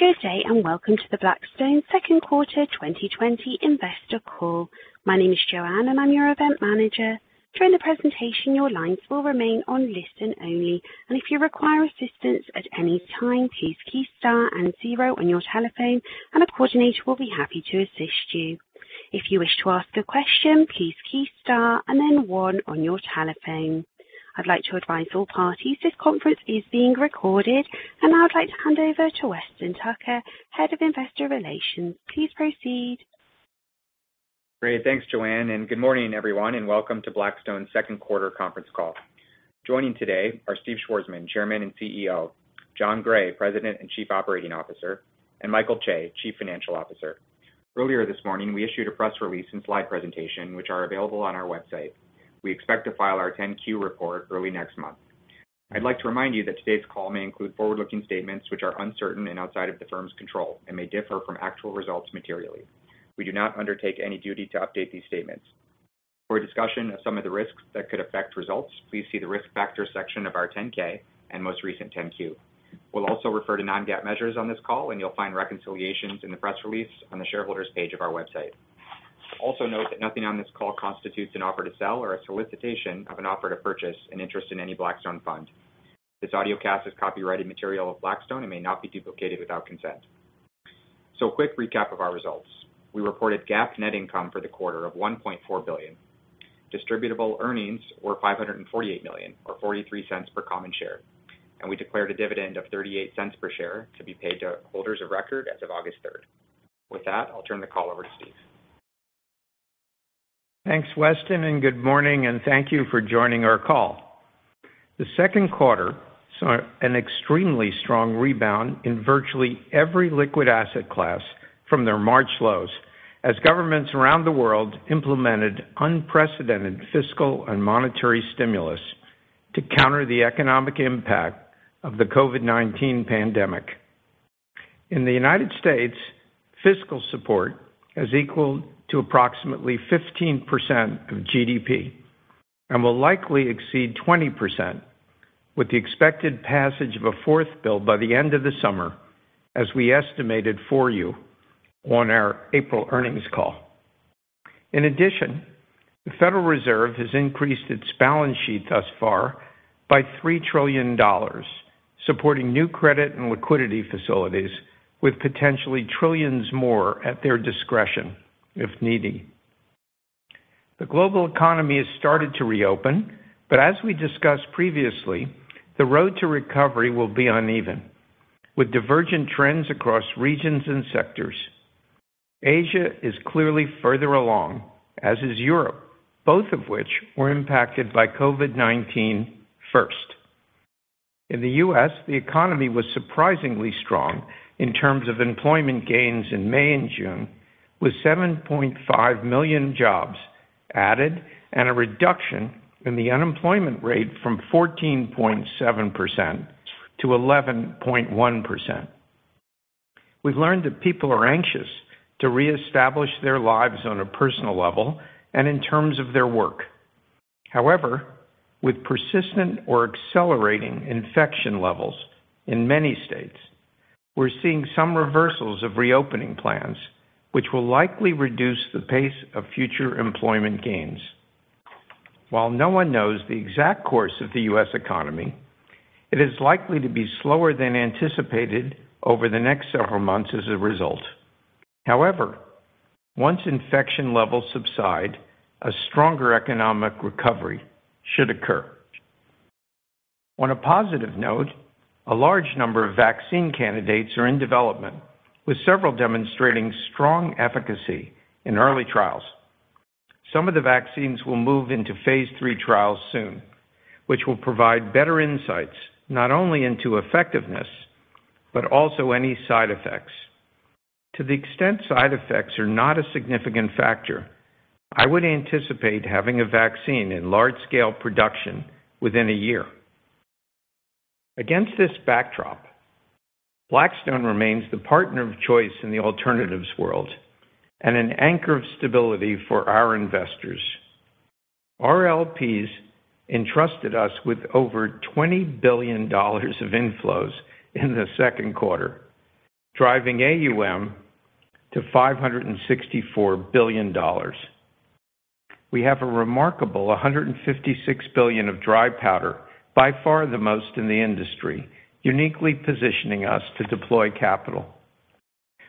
Good day. Welcome to the Blackstone second quarter 2020 investor call. My name is Joanne, and I'm your event manager. During the presentation, your lines will remain on listen only, and if you require assistance at any time, please key star and zero on your telephone, and a coordinator will be happy to assist you. If you wish to ask a question, please key star and then one on your telephone. I'd like to advise all parties this conference is being recorded, and now I'd like to hand over to Weston Tucker, Head of Investor Relations. Please proceed. Great. Thanks, Joanne, good morning, everyone, and welcome to Blackstone's second quarter conference call. Joining today are Steve Schwarzman, Chairman and CEO, Jon Gray, President and Chief Operating Officer, and Michael Chae, Chief Financial Officer. Earlier this morning, we issued a press release and slide presentation, which are available on our website. We expect to file our 10-Q report early next month. I'd like to remind you that today's call may include forward-looking statements which are uncertain and outside of the firm's control and may differ from actual results materially. We do not undertake any duty to update these statements. For a discussion of some of the risks that could affect results, please see the Risk Factors section of our 10-K and most recent 10-Q. We'll also refer to non-GAAP measures on this call, and you'll find reconciliations in the press release on the Shareholders page of our website. Also note that nothing on this call constitutes an offer to sell or a solicitation of an offer to purchase an interest in any Blackstone fund. This audiocast is copyrighted material of Blackstone and may not be duplicated without consent. A quick recap of our results. We reported GAAP net income for the quarter of $1.4 billion. Distributable earnings were $548 million, or $0.43 per common share. We declared a dividend of $0.38 per share to be paid to holders of record as of August 3rd. With that, I'll turn the call over to Steve. Thanks, Weston. Good morning, and thank you for joining our call. The second quarter saw an extremely strong rebound in virtually every liquid asset class from their March lows as governments around the world implemented unprecedented fiscal and monetary stimulus to counter the economic impact of the COVID-19 pandemic. In the U.S., fiscal support is equal to approximately 15% of GDP and will likely exceed 20% with the expected passage of a fourth bill by the end of the summer, as we estimated for you on our April earnings call. In addition, the Federal Reserve has increased its balance sheet thus far by $3 trillion, supporting new credit and liquidity facilities, with potentially trillions more at their discretion if needed. The global economy has started to reopen. As we discussed previously, the road to recovery will be uneven, with divergent trends across regions and sectors. Asia is clearly further along, as is Europe, both of which were impacted by COVID-19 first. In the U.S., the economy was surprisingly strong in terms of employment gains in May and June, with 7.5 million jobs added and a reduction in the unemployment rate from 14.7% to 11.1%. We've learned that people are anxious to reestablish their lives on a personal level and in terms of their work. With persistent or accelerating infection levels in many states, we're seeing some reversals of reopening plans, which will likely reduce the pace of future employment gains. While no one knows the exact course of the U.S. economy, it is likely to be slower than anticipated over the next several months as a result. Once infection levels subside, a stronger economic recovery should occur. On a positive note, a large number of vaccine candidates are in development, with several demonstrating strong efficacy in early trials. Some of the vaccines will move into phase III trials soon, which will provide better insights not only into effectiveness, but also any side effects. To the extent side effects are not a significant factor, I would anticipate having a vaccine in large-scale production within a year. Against this backdrop, Blackstone remains the partner of choice in the alternatives world and an anchor of stability for our investors. Our LPs entrusted us with over $20 billion of inflows in the second quarter, driving AUM to $564 billion. We have a remarkable $156 billion of dry powder, by far the most in the industry, uniquely positioning us to deploy capital.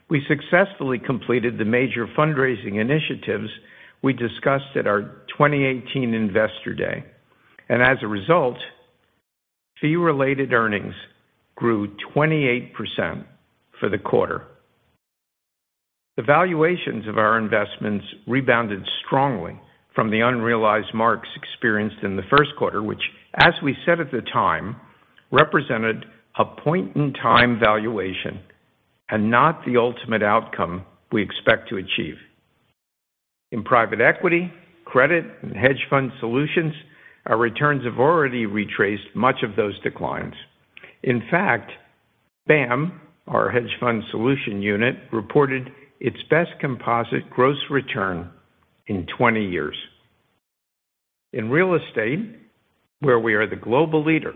We successfully completed the major fundraising initiatives we discussed at our 2018 Investor Day. As a result, Fee-Related Earnings grew 28% for the quarter. The valuations of our investments rebounded strongly from the unrealized marks experienced in the first quarter, which, as we said at the time, represented a point-in-time valuation and not the ultimate outcome we expect to achieve. In private equity, credit, and hedge fund solutions, our returns have already retraced much of those declines. In fact, BAAM, our hedge fund solution unit, reported its best composite gross return in 20 years. In real estate, where we are the global leader,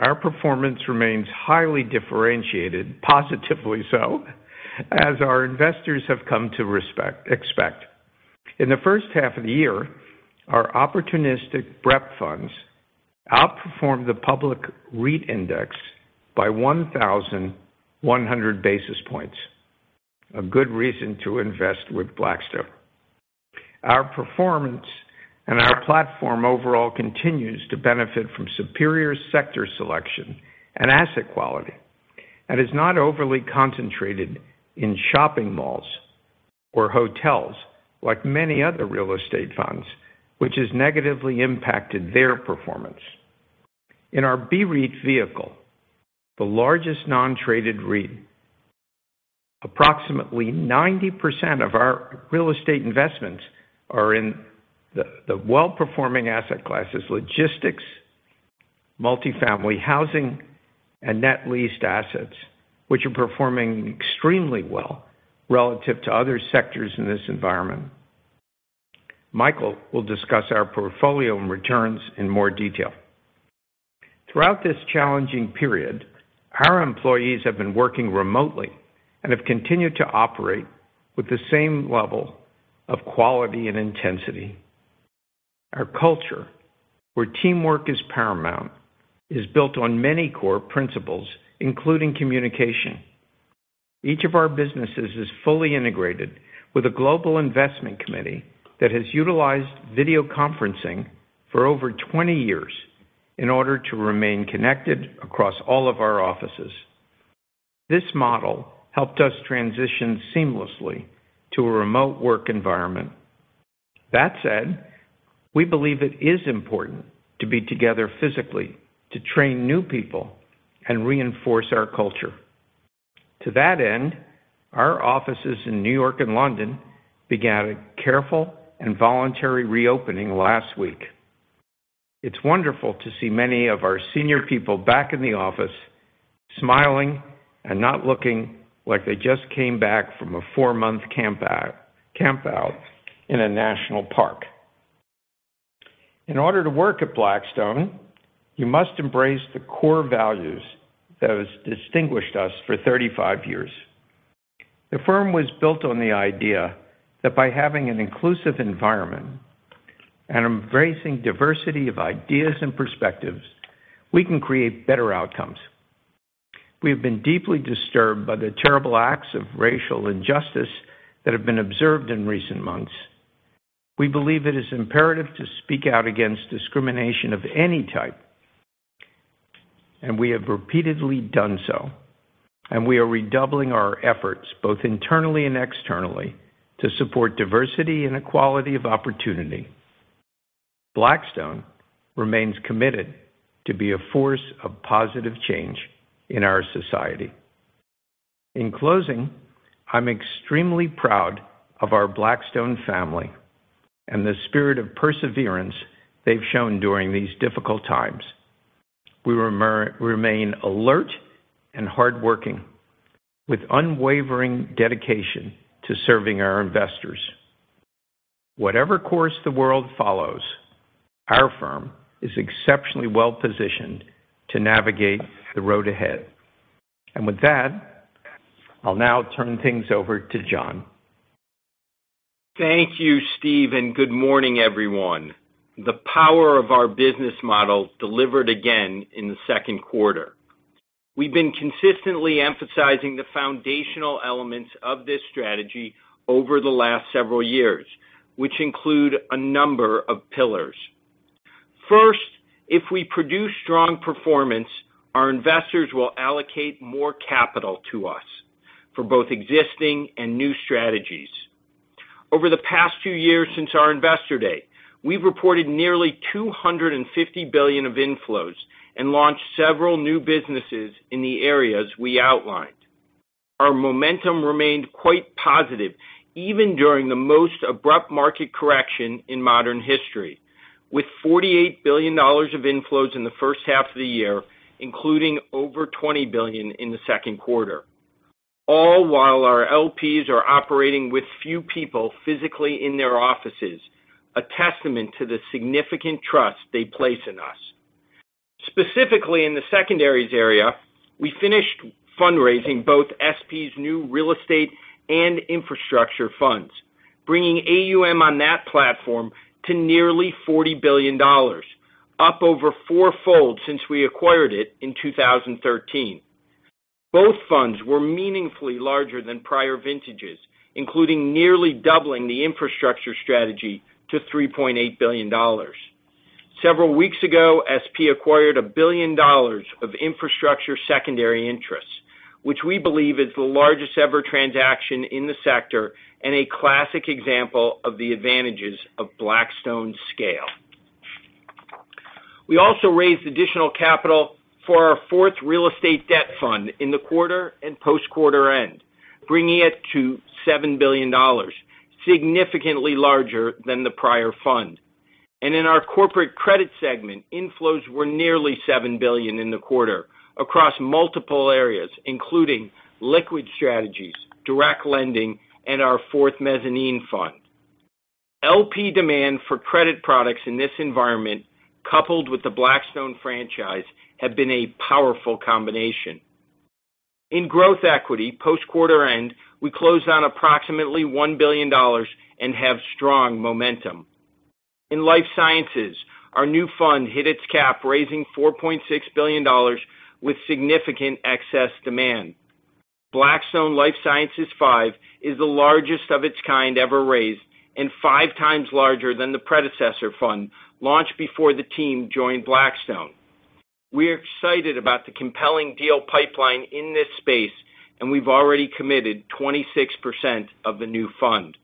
our performance remains highly differentiated, positively so, as our investors have come to expect. In the first half of the year, our opportunistic BREP funds outperformed the public REIT index by 1,100 basis points. A good reason to invest with Blackstone. Our performance and our platform overall continues to benefit from superior sector selection and asset quality, and is not overly concentrated in shopping malls or hotels like many other real estate funds, which has negatively impacted their performance. In our BREIT vehicle, the largest non-traded REIT, approximately 90% of our real estate investments are in the well-performing asset classes, logistics, multi-family housing, and net leased assets, which are performing extremely well relative to other sectors in this environment. Michael will discuss our portfolio and returns in more detail. Throughout this challenging period, our employees have been working remotely and have continued to operate with the same level of quality and intensity. Our culture, where teamwork is paramount, is built on many core principles, including communication. Each of our businesses is fully integrated with a global investment committee that has utilized video conferencing for over 20 years in order to remain connected across all of our offices. This model helped us transition seamlessly to a remote work environment. That said, we believe it is important to be together physically to train new people and reinforce our culture. To that end, our offices in New York and London began a careful and voluntary reopening last week. It's wonderful to see many of our senior people back in the office smiling and not looking like they just came back from a four-month campout in a national park. In order to work at Blackstone, you must embrace the core values that have distinguished us for 35 years. The firm was built on the idea that by having an inclusive environment and embracing diversity of ideas and perspectives, we can create better outcomes. We have been deeply disturbed by the terrible acts of racial injustice that have been observed in recent months. We believe it is imperative to speak out against discrimination of any type. We have repeatedly done so. We are redoubling our efforts both internally and externally to support diversity and equality of opportunity. Blackstone remains committed to be a force of positive change in our society. In closing, I'm extremely proud of our Blackstone family and the spirit of perseverance they've shown during these difficult times. We remain alert and hardworking with unwavering dedication to serving our investors. Whatever course the world follows, our firm is exceptionally well-positioned to navigate the road ahead. With that, I'll now turn things over to Jon. Thank you, Steve, and good morning, everyone. The power of our business model delivered again in the second quarter. We've been consistently emphasizing the foundational elements of this strategy over the last several years, which include a number of pillars. First, if we produce strong performance, our investors will allocate more capital to us for both existing and new strategies. Over the past few years since our investor day, we've reported nearly $250 billion of inflows and launched several new businesses in the areas we outlined. Our momentum remained quite positive even during the most abrupt market correction in modern history. With $48 billion of inflows in the first half of the year, including over $20 billion in the second quarter, all while our LPs are operating with few people physically in their offices, a testament to the significant trust they place in us. Specifically in the secondaries area, we finished fundraising both SP's new real estate and infrastructure funds, bringing AUM on that platform to nearly $40 billion, up over fourfold since we acquired it in 2013. Both funds were meaningfully larger than prior vintages, including nearly doubling the infrastructure strategy to $3.8 billion. Several weeks ago, SP acquired $1 billion of infrastructure secondary interests, which we believe is the largest-ever transaction in the sector and a classic example of the advantages of Blackstone's scale. We also raised additional capital for our fourth real estate debt fund in the quarter and post-quarter end, bringing it to $7 billion, significantly larger than the prior fund. In our corporate credit segment, inflows were nearly $7 billion in the quarter across multiple areas, including liquid strategies, direct lending, and our fourth mezzanine fund. LP demand for credit products in this environment, coupled with the Blackstone franchise, have been a powerful combination. In growth equity, post quarter end, we closed on approximately $1 billion and have strong momentum. In life sciences, our new fund hit its cap, raising $4.6 billion with significant excess demand. Blackstone Life Sciences V is the largest of its kind ever raised and five times larger than the predecessor fund launched before the team joined Blackstone. We're excited about the compelling deal pipeline in this space, and we've already committed 26% of the new fund.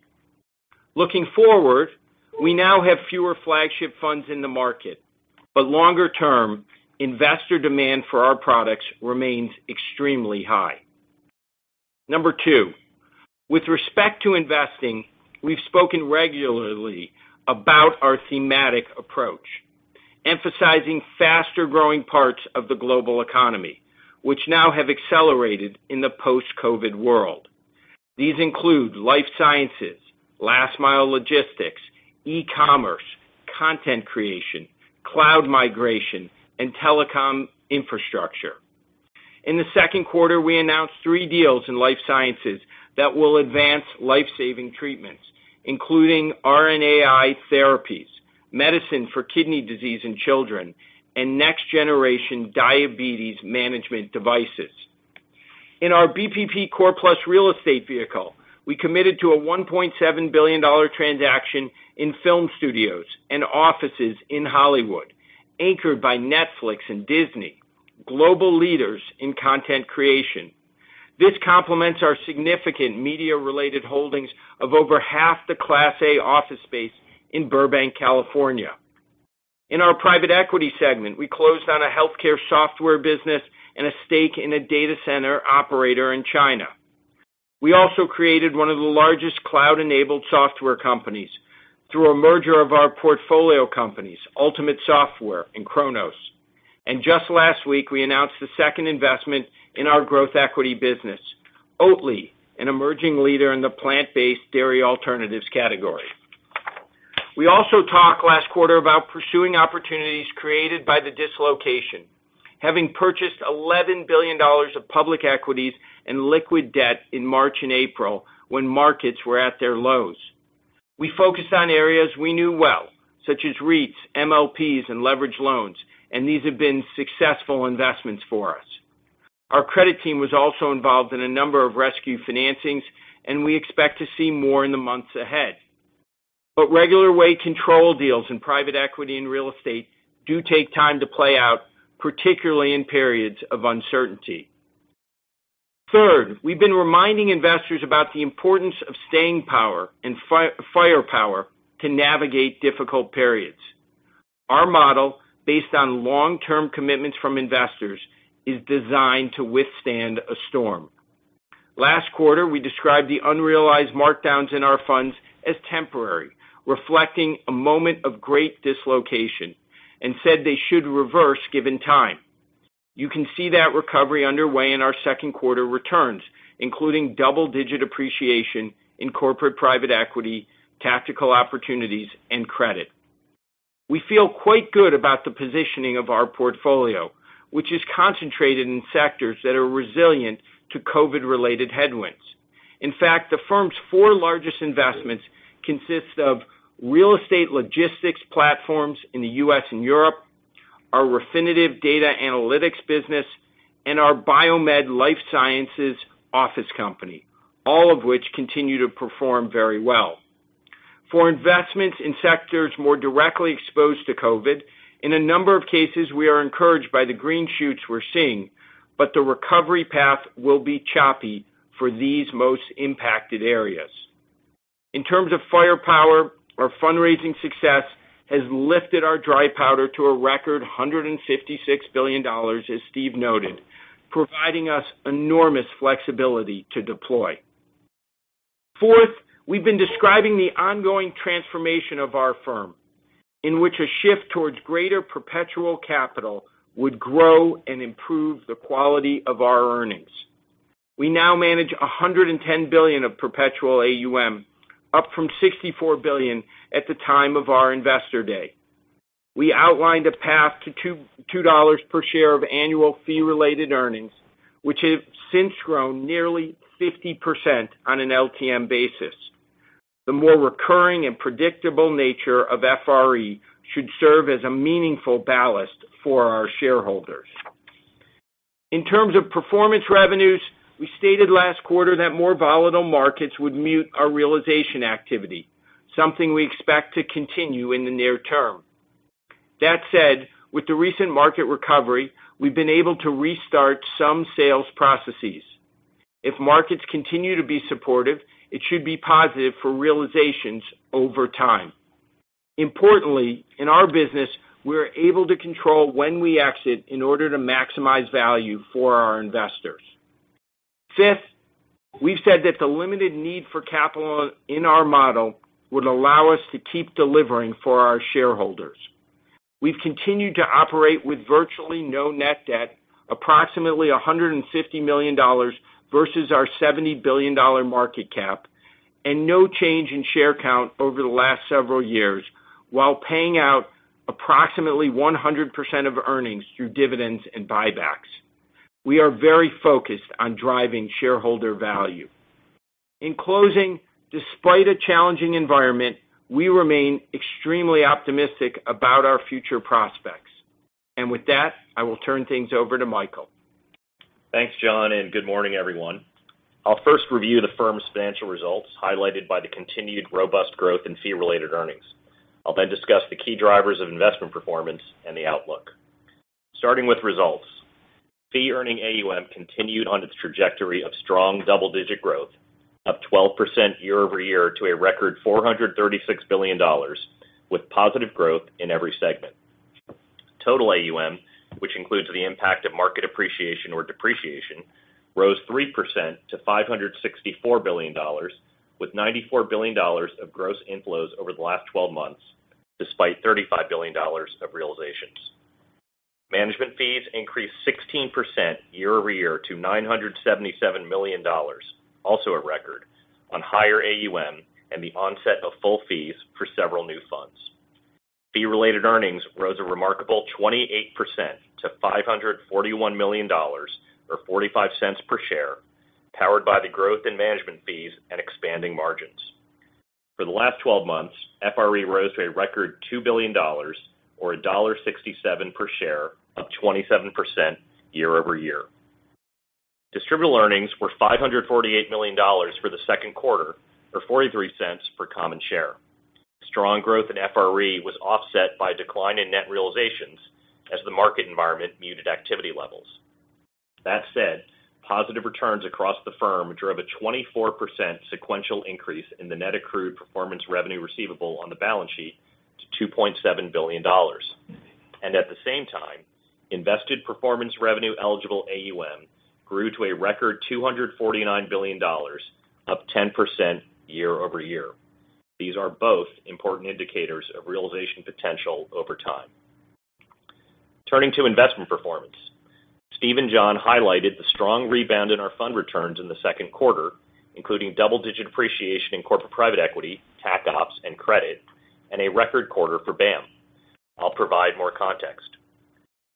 Looking forward, we now have fewer flagship funds in the market, but longer term, investor demand for our products remains extremely high. Number two, with respect to investing, we've spoken regularly about our thematic approach, emphasizing faster-growing parts of the global economy, which now have accelerated in the post-COVID-19 world. These include life sciences, last mile logistics, e-commerce, content creation, cloud migration, and telecom infrastructure. In the second quarter, we announced three deals in life sciences that will advance life-saving treatments, including RNAi therapies, medicine for kidney disease in children, and next generation diabetes management devices. In our BPP Core Plus real estate vehicle, we committed to a $1.7 billion transaction in film studios and offices in Hollywood, anchored by Netflix and Disney, global leaders in content creation. This complements our significant media-related holdings of over half the Class A office space in Burbank, California. In our private equity segment, we closed on a healthcare software business and a stake in a data center operator in China. We also created one of the largest cloud-enabled software companies through a merger of our portfolio companies, Ultimate Software and Kronos. Just last week, we announced the second investment in our growth equity business, Oatly, an emerging leader in the plant-based dairy alternatives category. We also talked last quarter about pursuing opportunities created by the dislocation, having purchased $11 billion of public equities and liquid debt in March and April, when markets were at their lows. We focused on areas we knew well, such as REITs, MLPs, and leveraged loans, and these have been successful investments for us. Our credit team was also involved in a number of rescue financings, and we expect to see more in the months ahead. Regular way control deals in private equity and real estate do take time to play out, particularly in periods of uncertainty. Third, we've been reminding investors about the importance of staying power and firepower to navigate difficult periods. Our model, based on long-term commitments from investors, is designed to withstand a storm. Last quarter, we described the unrealized markdowns in our funds as temporary, reflecting a moment of great dislocation, and said they should reverse given time. You can see that recovery underway in our second quarter returns, including double-digit appreciation in corporate private equity, Tactical Opportunities, and credit. We feel quite good about the positioning of our portfolio, which is concentrated in sectors that are resilient to COVID-related headwinds. In fact, the firm's four largest investments consist of real estate logistics platforms in the U.S. and Europe, our Refinitiv data analytics business, and our BioMed Realty life sciences office company, all of which continue to perform very well. For investments in sectors more directly exposed to COVID, in a number of cases, we are encouraged by the green shoots we're seeing, but the recovery path will be choppy for these most impacted areas. In terms of firepower, our fundraising success has lifted our dry powder to a record $156 billion, as Steve noted, providing us enormous flexibility to deploy. Fourth, we've been describing the ongoing transformation of our firm, in which a shift towards greater perpetual capital would grow and improve the quality of our earnings. We now manage $110 billion of perpetual AUM, up from $64 billion at the time of our investor day. We outlined a path to $2 per share of annual Fee-Related Earnings, which have since grown nearly 50% on an LTM basis. The more recurring and predictable nature of FRE should serve as a meaningful ballast for our shareholders. In terms of performance revenues, we stated last quarter that more volatile markets would mute our realization activity, something we expect to continue in the near term. That said, with the recent market recovery, we've been able to restart some sales processes. If markets continue to be supportive, it should be positive for realizations over time. Importantly, in our business, we're able to control when we exit in order to maximize value for our investors. Fifth, we've said that the limited need for capital in our model would allow us to keep delivering for our shareholders. We've continued to operate with virtually no net debt, approximately $150 million versus our $70 billion market cap, and no change in share count over the last several years, while paying out approximately 100% of earnings through dividends and buybacks. We are very focused on driving shareholder value. In closing, despite a challenging environment, we remain extremely optimistic about our future prospects. With that, I will turn things over to Michael. Thanks, Jon, good morning, everyone. I'll first review the firm's financial results, highlighted by the continued robust growth in Fee-Related Earnings. I'll then discuss the key drivers of investment performance and the outlook. Starting with results. Fee-Earning AUM continued on its trajectory of strong double-digit growth, up 12% year-over-year to a record $436 billion, with positive growth in every segment. Total AUM, which includes the impact of market appreciation or depreciation, rose 3% to $564 billion, with $94 billion of gross inflows over the last 12 months, despite $35 billion of realizations. Management fees increased 16% year-over-year to $977 million, also a record, on higher AUM and the onset of full fees for several new funds. Fee-Related Earnings rose a remarkable 28% to $541 million, or $0.45 per share, powered by the growth in management fees and expanding margins. For the last 12 months, FRE rose to a record $2 billion, or $1.67 per share, up 27% year-over-year. Distributable Earnings were $548 million for the second quarter, or $0.43 per common share. Strong growth in FRE was offset by a decline in net realizations as the market environment muted activity levels. That said, positive returns across the firm drove a 24% sequential increase in the net accrued performance revenue receivable on the balance sheet to $2.7 billion. At the same time, invested performance revenue eligible AUM grew to a record $249 billion, up 10% year-over-year. These are both important indicators of realization potential over time. Turning to investment performance. Steve and Jon highlighted the strong rebound in our fund returns in the second quarter, including double-digit appreciation in corporate private equity, Tac Ops, and credit, and a record quarter for BAAM. I'll provide more context.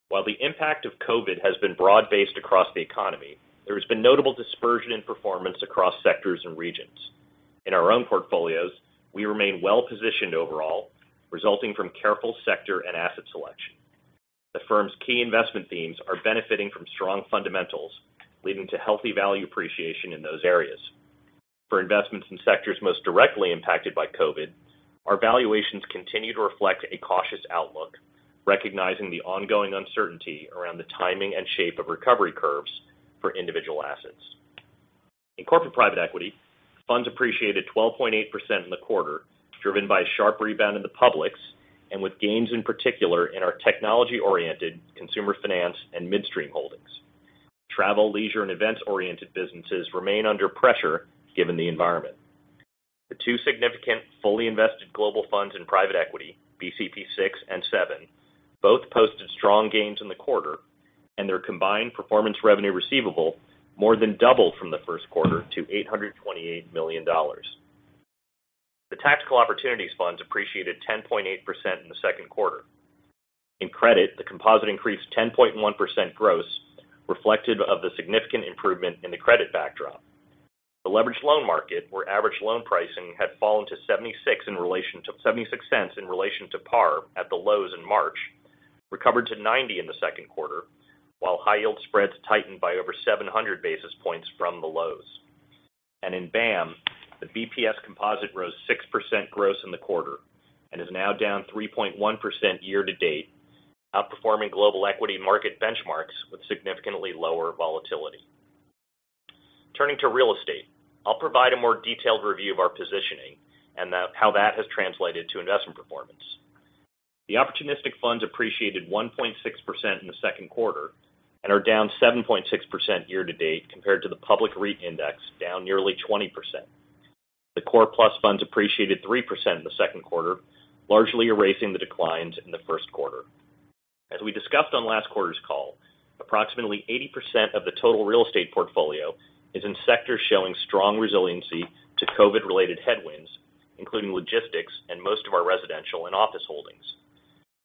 While the impact of COVID-19 has been broad-based across the economy, there has been notable dispersion in performance across sectors and regions. In our own portfolios, we remain well-positioned overall, resulting from careful sector and asset selection. The firm's key investment themes are benefiting from strong fundamentals, leading to healthy value appreciation in those areas. For investments in sectors most directly impacted by COVID-19, our valuations continue to reflect a cautious outlook, recognizing the ongoing uncertainty around the timing and shape of recovery curves for individual assets. In corporate private equity, funds appreciated 12.8% in the quarter, driven by a sharp rebound in the publics, and with gains in particular in our technology-oriented consumer finance and midstream holdings. Travel, leisure, and event-oriented businesses remain under pressure given the environment. The two significant fully invested global funds in private equity, BCP VI and VII, both posted strong gains in the quarter, and their combined performance revenue receivable more than doubled from the first quarter to $828 million. The Tactical Opportunities funds appreciated 10.8% in the second quarter. In credit, the composite increased 10.1% gross, reflective of the significant improvement in the credit backdrop. The leveraged loan market, where average loan pricing had fallen to $0.76 in relation to par at the lows in March, recovered to $0.90 in the second quarter, while high yield spreads tightened by over 700 basis points from the lows. In BAAM, the BPS composite rose 6% gross in the quarter and is now down 3.1% year-to-date, outperforming global equity market benchmarks with significantly lower volatility. Turning to real estate. I'll provide a more detailed review of our positioning and how that has translated to investment performance. The opportunistic funds appreciated 1.6% in the second quarter and are down 7.6% year-to-date compared to the public REIT index, down nearly 20%. The core plus funds appreciated 3% in the second quarter, largely erasing the declines in the first quarter. As we discussed on last quarter's call, approximately 80% of the total real estate portfolio is in sectors showing strong resiliency to COVID-related headwinds, including logistics and most of our residential and office holdings.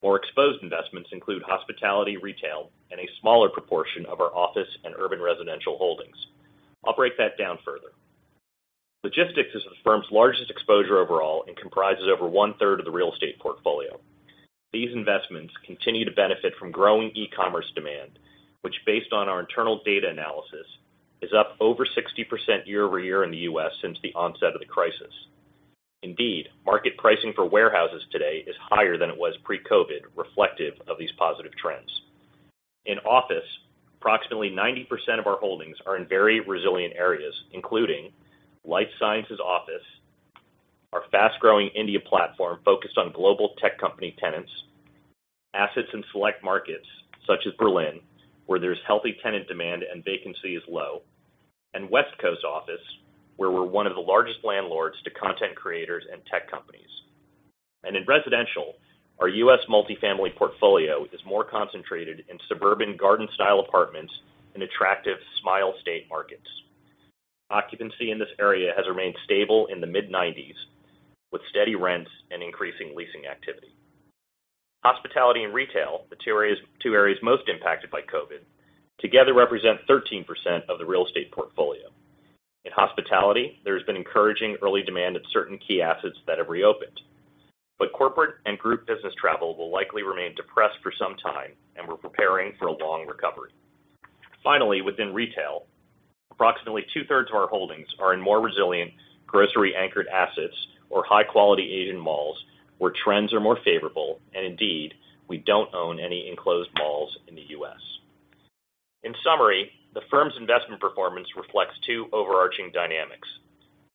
More exposed investments include hospitality, retail, and a smaller proportion of our office and urban residential holdings. I'll break that down further. Logistics is the firm's largest exposure overall and comprises over one-third of the real estate portfolio. These investments continue to benefit from growing e-commerce demand, which based on our internal data analysis, is up over 60% year-over-year in the U.S. since the onset of the crisis. Indeed, market pricing for warehouses today is higher than it was pre-COVID, reflective of these positive trends. In office, approximately 90% of our holdings are in very resilient areas, including life sciences office, our fast-growing India platform focused on global tech company tenants, assets in select markets such as Berlin, where there's healthy tenant demand and vacancy is low. West Coast office, where we're one of the largest landlords to content creators and tech companies. In residential, our U.S. multifamily portfolio is more concentrated in suburban garden-style apartments in attractive Smile State markets. Occupancy in this area has remained stable in the mid-90s, with steady rents and increasing leasing activity. Hospitality and retail, the two areas most impacted by COVID-19, together represent 13% of the real estate portfolio. In hospitality, there has been encouraging early demand at certain key assets that have reopened. Corporate and group business travel will likely remain depressed for some time, and we're preparing for a long recovery. Finally, within retail, approximately two-thirds of our holdings are in more resilient grocery-anchored assets or high-quality Asian malls where trends are more favorable, and indeed, we don't own any enclosed malls in the U.S. In summary, the firm's investment performance reflects two overarching dynamics.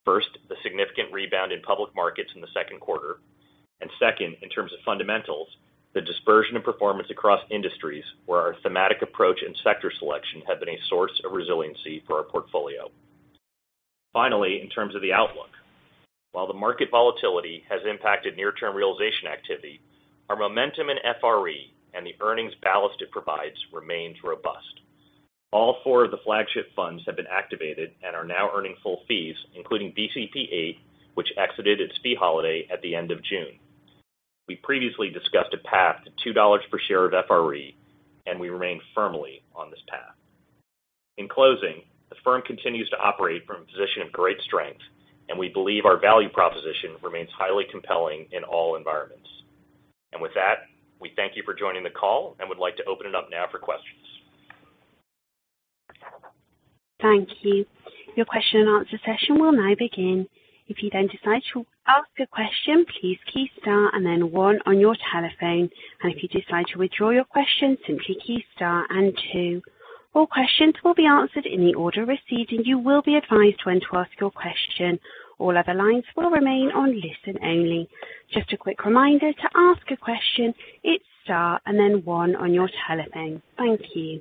First, the significant rebound in public markets in the second quarter. Second, in terms of fundamentals, the dispersion of performance across industries where our thematic approach and sector selection have been a source of resiliency for our portfolio. Finally, in terms of the outlook, while the market volatility has impacted near-term realization activity, our momentum in FRE and the earnings ballast it provides remains robust. All four of the flagship funds have been activated and are now earning full fees, including BCP VIII, which exited its fee holiday at the end of June. We previously discussed a path to $2 per share of FRE. We remain firmly on this path. In closing, the firm continues to operate from a position of great strength, and we believe our value proposition remains highly compelling in all environments. With that, we thank you for joining the call and would like to open it up now for questions. Thank you. Your question and answer session will now begin. If you decide to ask a question, please key star and one on your telephone. If you decide to withdraw your question, simply key star and two. All questions will be answered in the order received, and you will be advised when to ask your question. All other lines will remain on listen only. Just a quick reminder, to ask a question, it's star and one on your telephone. Thank you.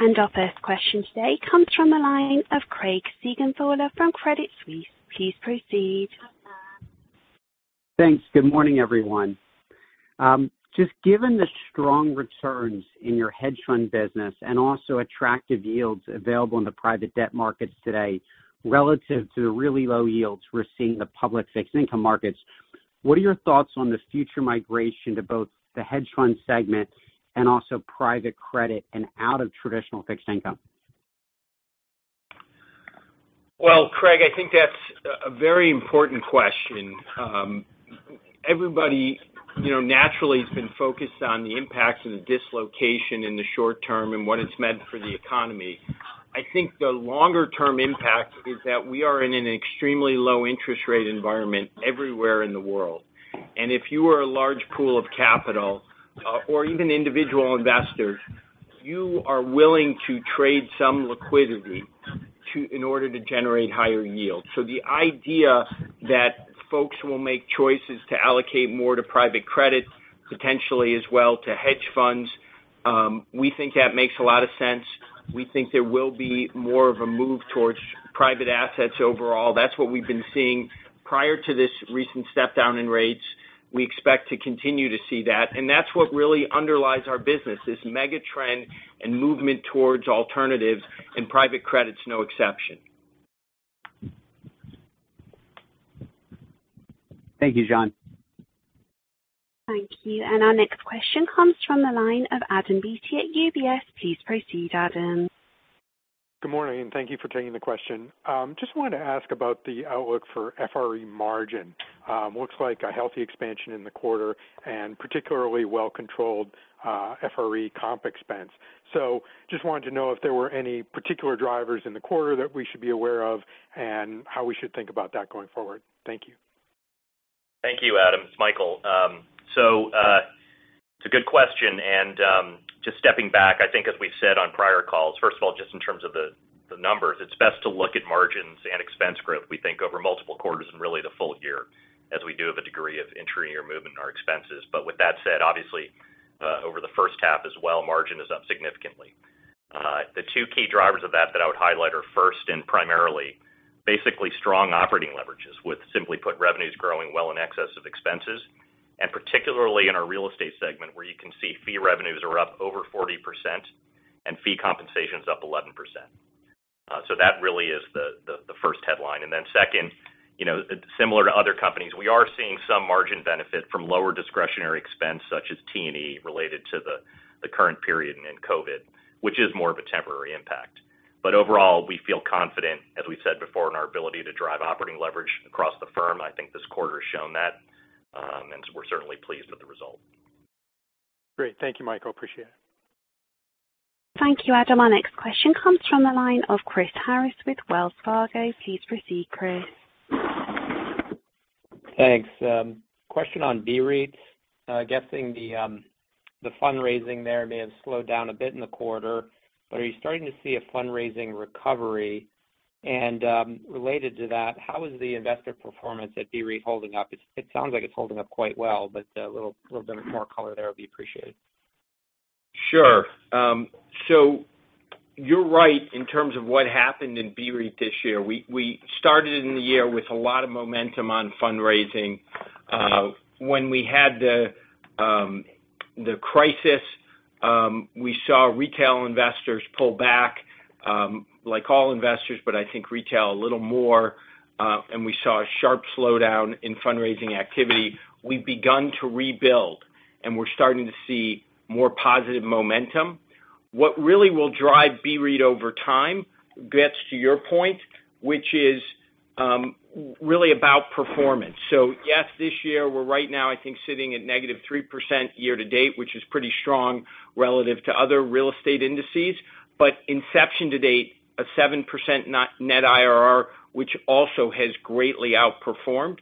Our first question today comes from the line of Craig Siegenthaler from Credit Suisse. Please proceed. Thanks. Good morning, everyone. Just given the strong returns in your hedge fund business and also attractive yields available in the private debt markets today relative to the really low yields we're seeing in the public fixed income markets, what are your thoughts on the future migration to both the hedge fund segment and also private credit and out of traditional fixed income? Well, Craig, I think that's a very important question. Everybody naturally has been focused on the impacts of the dislocation in the short term and what it's meant for the economy. I think the longer-term impact is that we are in an extremely low interest rate environment everywhere in the world. If you are a large pool of capital, or even individual investors, you are willing to trade some liquidity in order to generate higher yields. The idea that folks will make choices to allocate more to direct lending, potentially as well to hedge funds, we think that makes a lot of sense. We think there will be more of a move towards private assets overall. That's what we've been seeing prior to this recent step-down in rates. We expect to continue to see that, and that's what really underlies our business, this mega trend and movement towards alternatives, and private credit's no exception. Thank you, Jon. Thank you. Our next question comes from the line of Adam Beatty at UBS. Please proceed, Adam. Good morning, thank you for taking the question. Just wanted to ask about the outlook for FRE margin. Looks like a healthy expansion in the quarter and particularly well-controlled FRE comp expense. Just wanted to know if there were any particular drivers in the quarter that we should be aware of and how we should think about that going forward. Thank you. Thank you, Adam. It's Michael. It's a good question. Just stepping back, I think as we've said on prior calls, first of all, just in terms of the numbers, it's best to look at margins and expense growth, we think, over multiple quarters and really the full year, as we do have a degree of intra-year movement in our expenses. With that said, obviously, over the first half as well, margin is up significantly. The two key drivers of that that I would highlight are first and primarily, basically strong operating leverages with, simply put, revenues growing well in excess of expenses, and particularly in our real estate segment, where you can see fee revenues are up over 40% and fee compensation is up 11%. That really is the first headline. Second, similar to other companies, we are seeing some margin benefit from lower discretionary expense such as T&E related to the current period in COVID, which is more of a temporary impact. Overall, we feel confident, as we've said before, in our ability to drive operating leverage across the firm. I think this quarter has shown that, and we're certainly pleased with the result. Great. Thank you, Michael. Appreciate it. Thank you, Adam. Our next question comes from the line of Chris Harris with Wells Fargo. Please proceed, Chris. Thanks. Question on BREIT. Guessing the fundraising there may have slowed down a bit in the quarter. Are you starting to see a fundraising recovery? Related to that, how is the investor performance at BREIT holding up? It sounds like it's holding up quite well. A little bit more color there would be appreciated. Sure. You're right in terms of what happened in BREIT this year. We started in the year with a lot of momentum on fundraising. When we had the crisis, we saw retail investors pull back, like all investors, but I think retail a little more, and we saw a sharp slowdown in fundraising activity. We've begun to rebuild, and we're starting to see more positive momentum. What really will drive BREIT over time gets to your point, which is really about performance. Yes, this year we're right now, I think, sitting at negative 3% year to date, which is pretty strong relative to other real estate indices. Inception to date, a 7% net IRR, which also has greatly outperformed.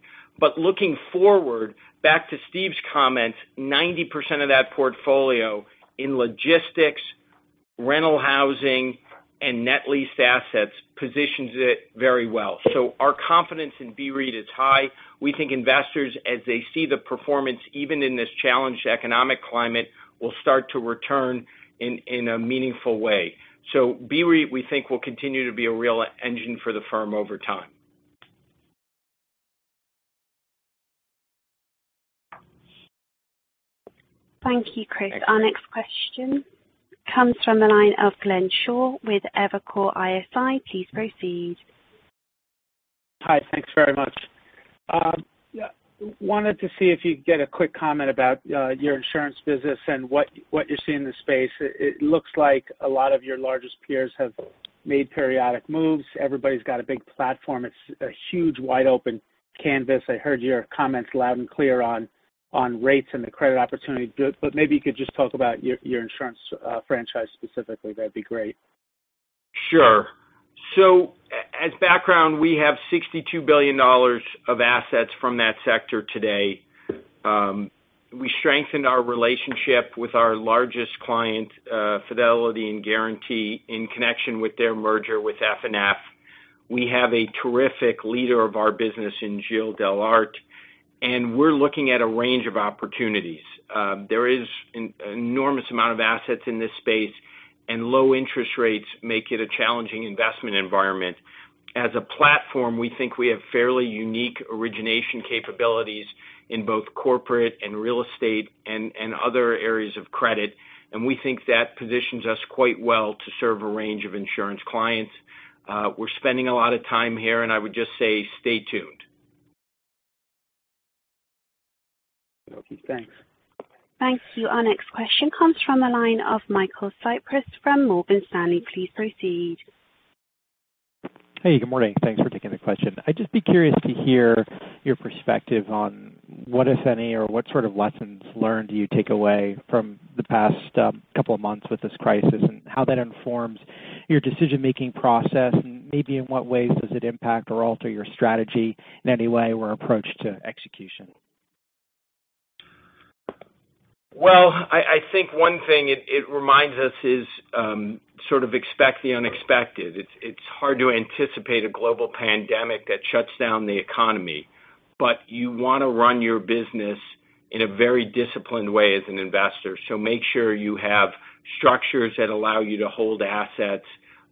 Looking forward, back to Steve's comments, 90% of that portfolio in logistics, rental housing, and net leased assets positions it very well. Our confidence in BREIT is high. We think investors, as they see the performance, even in this challenged economic climate, will start to return in a meaningful way. BREIT, we think, will continue to be a real engine for the firm over time. Thank you, Chris. Our next question comes from the line of Glenn Schorr with Evercore ISI. Please proceed. Hi. Thanks very much. Wanted to see if you'd get a quick comment about your insurance business and what you see in the space. It looks like a lot of your largest peers have made periodic moves. Everybody's got a big platform. It's a huge wide open canvas. I heard your comments loud and clear on rates and the credit opportunity. Maybe you could just talk about your insurance franchise specifically. That'd be great. Sure. As background, we have $62 billion of assets from that sector today. We strengthened our relationship with our largest client, Fidelity & Guaranty in connection with their merger with F&F. We have a terrific leader of our business in Gilles Dellaert, we're looking at a range of opportunities. There is an enormous amount of assets in this space, low interest rates make it a challenging investment environment. As a platform, we think we have fairly unique origination capabilities in both corporate and real estate and other areas of credit, we think that positions us quite well to serve a range of insurance clients. We're spending a lot of time here, I would just say stay tuned. Okay, thanks. Thank you. Our next question comes from the line of Michael Cyprys from Morgan Stanley. Please proceed. Hey, good morning. Thanks for taking the question. I'd just be curious to hear your perspective on what, if any, or what sort of lessons learned do you take away from the past couple of months with this crisis, and how that informs your decision-making process, and maybe in what ways does it impact or alter your strategy in any way or approach to execution? I think one thing it reminds us is sort of expect the unexpected. It's hard to anticipate a global pandemic that shuts down the economy. You want to run your business in a very disciplined way as an investor. Make sure you have structures that allow you to hold assets,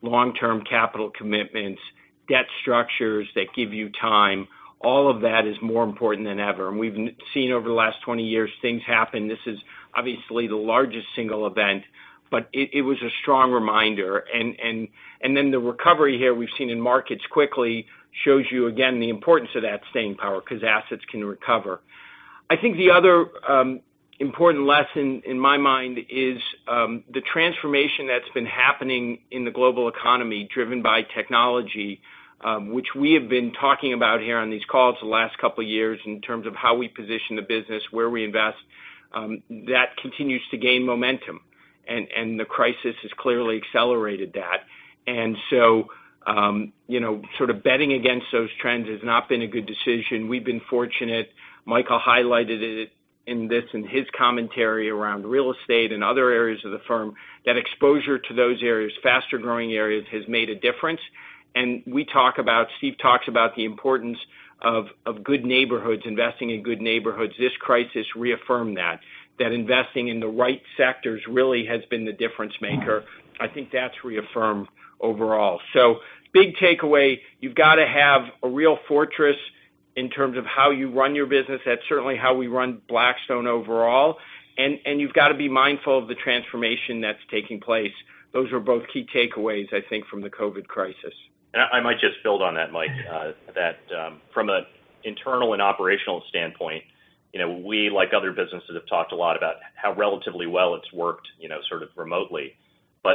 long-term capital commitments, debt structures that give you time. All of that is more important than ever. We've seen over the last 20 years, things happen. This is obviously the largest single event, but it was a strong reminder. The recovery here we've seen in markets quickly shows you again the importance of that staying power because assets can recover. I think the other important lesson in my mind is the transformation that's been happening in the global economy driven by technology, which we have been talking about here on these calls the last couple of years in terms of how we position the business, where we invest. The crisis has clearly accelerated that. Sort of betting against those trends has not been a good decision. We've been fortunate. Michael highlighted it in his commentary around real estate and other areas of the firm, that exposure to those areas, faster-growing areas, has made a difference. We talk about, Steve talks about the importance of good neighborhoods, investing in good neighborhoods. This crisis reaffirmed that investing in the right sectors really has been the difference maker. I think that's reaffirmed overall. Big takeaway, you've got to have a real fortress in terms of how you run your business. That's certainly how we run Blackstone overall. You've got to be mindful of the transformation that's taking place. Those are both key takeaways, I think, from the COVID crisis. I might just build on that, Mike, that from an internal and operational standpoint, we, like other businesses, have talked a lot about how relatively well it's worked sort of remotely.